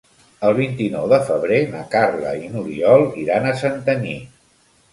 El vint-i-nou de febrer na Carla i n'Oriol iran a Santanyí.